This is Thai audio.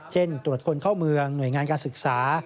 ตรวจคนเข้าเมืองหน่วยงานการศึกษา